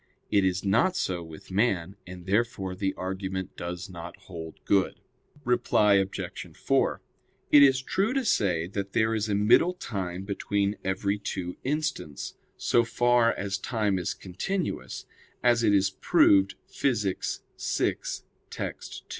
It is not so with man; and therefore the argument does not hold good. Reply Obj. 4: It is true to say that there is a middle time between every two instants, so far as time is continuous, as it is proved Phys. vi, text.